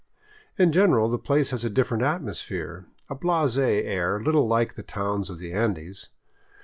In general the place has a different atmos phere, a blase air little like the towns of the Andes.